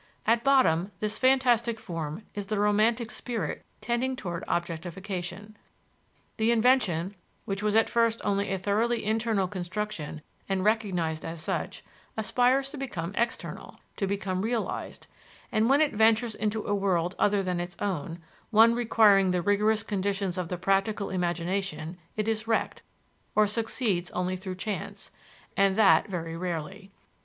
At bottom this fantastic form is the romantic spirit tending toward objectification. The invention, which was at first only a thoroughly internal construction and recognized as such, aspires to become external, to become realized, and when it ventures into a world other than its own, one requiring the rigorous conditions of the practical imagination, it is wrecked, or succeeds only through chance, and that very rarely.